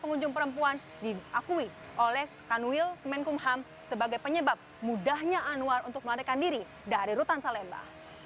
pengunjung perempuan diakui oleh kanwil kemenkumham sebagai penyebab mudahnya anwar untuk melarikan diri dari rutan salemba